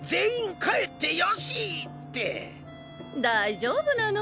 大丈夫なの？